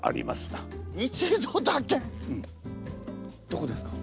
どこですか？